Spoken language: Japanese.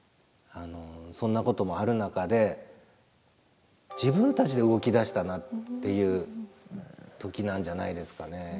そんなこともある中で自分たちで動き出したなっていう時なんじゃないですかね